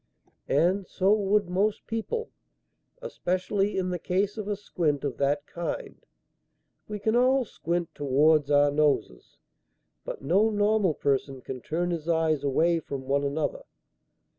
"And so would most people; especially in the case of a squint of that kind. We can all squint towards our noses, but no normal person can turn his eyes away from one another.